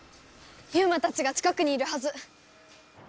ユウマたちが近くにいるはず！